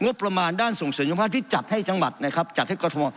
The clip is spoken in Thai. งบประมาณด้านส่งเสริมสุขภาพที่จัดให้จังหวัดนะครับจัดให้กรทม